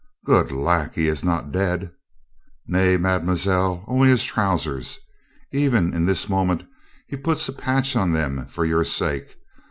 "Good lack, he is not dead?" "Nay, mademoiselle. Only his trousers. Even in this moment he puts a patch on them for your sake.